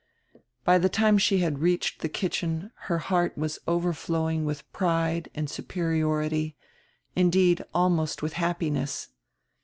By die time she had reached die kitchen her heart was overflowing widi pride and superiority, indeed almost widi happiness.